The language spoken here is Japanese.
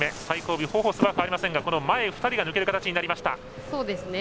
最後尾ホフォスは変わりませんが前２人が抜ける形になりました。